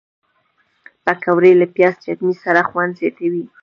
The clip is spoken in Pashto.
پکورې له پیاز چټني سره خوند زیاتوي